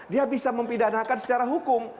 dia bisa mempidanakan secara hukum